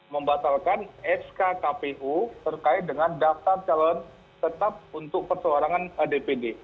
membatalkan sk kpu terkait dengan daftar calon tetap untuk perseorangan dpd